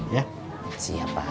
ya siap pak